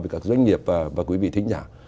với các doanh nghiệp và quý vị thính giả